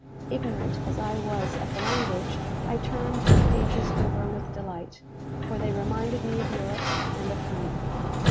Ignorant as I was of the language, I turned the pages over with delight, for they reminded me of Europe and of home.